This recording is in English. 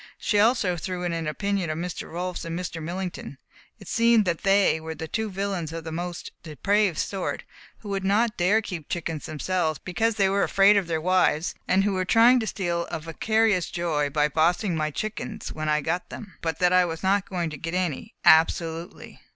She also threw in an opinion of Mr. Rolfs and Mr. Millington. It seemed that they were two villains of the most depraved sort, who did not dare keep chickens themselves because they were afraid of their wives, and who were trying to steal a vicarious joy by bossing my chickens when I got them, but that I was not going to get any. Absolutely!